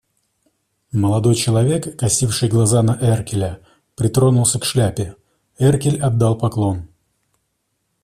Молодой человек, косивший глаза на Эркеля, притронулся к шляпе; Эркель отдал поклон.